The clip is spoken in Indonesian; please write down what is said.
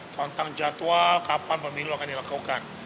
tentang jadwal kapan pemilu akan dilakukan